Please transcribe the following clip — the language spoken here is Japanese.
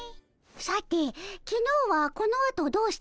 さてきのうはこのあとどうしたかの？